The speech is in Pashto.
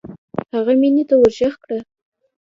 هغه مينې ته ورږغ کړه.